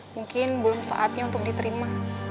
mungkin belum saatnya untuk diterima